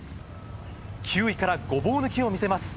９位からごぼう抜きを見せます。